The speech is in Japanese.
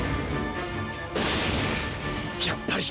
やっぱり！